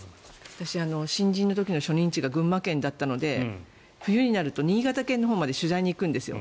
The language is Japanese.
私、新人の時の初任地が群馬県だったので冬になると新潟県のほうまで取材に行くんです。